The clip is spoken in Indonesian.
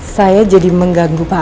saya jadi mengganggu pak